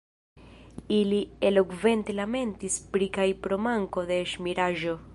Ili elokvente lamentis pri kaj pro manko de ŝmiraĵo.